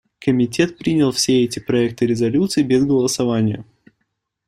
Комитет принял все эти проекты резолюций без голосования.